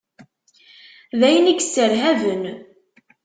D ayen i y-isserhaben.